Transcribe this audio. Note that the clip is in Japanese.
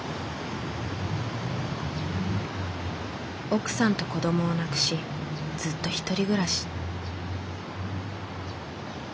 奥さんと子どもを亡くしずっと１人暮らし。